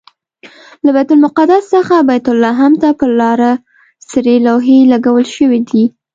له بیت المقدس څخه بیت لحم ته پر لاره سرې لوحې لګول شوي دي.